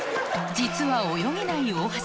実は泳げない大橋